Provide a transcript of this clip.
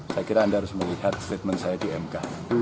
saya kira anda harus melihat statement saya di mk